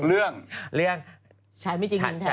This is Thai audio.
เรื่องฉายไม่จริงหญิงแท้